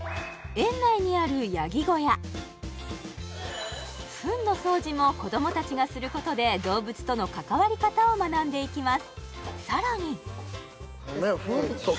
園内にあるヤギ小屋糞の掃除も子どもたちがすることで動物との関わり方を学んでいきます